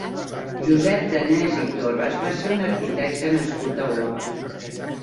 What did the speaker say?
Josep Danés i Torras va ser un arquitecte nascut a Olot.